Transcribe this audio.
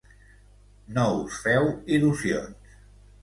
No us feu il·lusions.